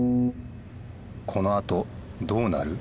このあとどうなる？